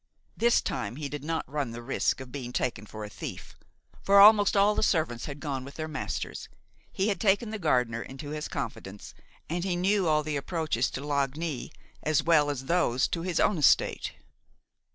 This time he did not run the risk of being taken for a thief; for almost all the servants had gone with their masters, he had taken the gardener into his confidence, and he knew all the approaches to Lagney as well as those to his own estate.